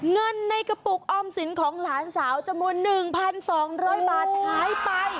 เงินในกระปุกออมสินของหลานสาวจำนวน๑๒๐๐บาทหายไป